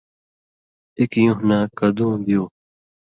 ایک یُون٘ہہۡ نہ کدُوں بیُو